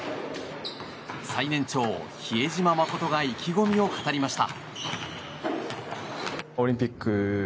最年長、比江島慎が意気込みを語りました。